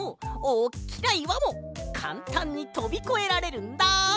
おっきないわもかんたんにとびこえられるんだ！